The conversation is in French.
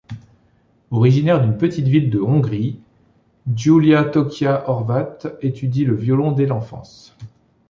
Originaire d'une petite ville de Hongrie, Gyula Toki Horváth étudie le violon dès l'enfance.